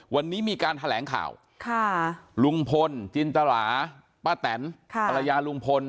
วันนี้มีการแถลงข่าวลุงพลจินตราป้าแตนภรรยาลุงพล